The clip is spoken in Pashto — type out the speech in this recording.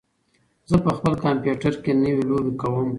زه په خپل کمپیوټر کې نوې لوبې کوم.